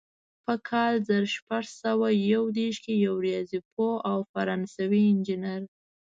په کال زر شپږ سوه یو دېرش کې یو ریاضي پوه او فرانسوي انجینر.